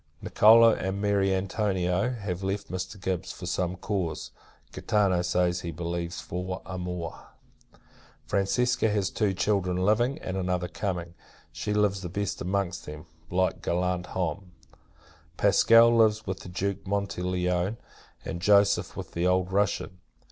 Nicolo, and Mary Antonio, have left Mr. Gibbs, for some cause; Gaetano says, he believes, for amore. Francesca has two children living, and another coming. She lives the best amongst them, like gallant homme. Pasqual lives with the Duke Montelione; and Joseph, with the old Russian.